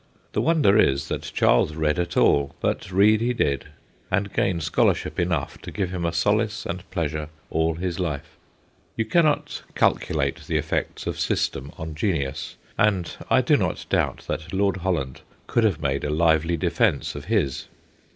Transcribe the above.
The wonder is that Charles read at all; but read he did, and gained scholarship enough to give him a solace and pleasure all his life. You cannot calculate the effects of system on genius, and I do not doubt that Lord Holland could have made a lively defence of his.